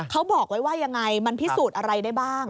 เขาบอกไว้ว่ายังไงมันพิสูจน์อะไรได้บ้าง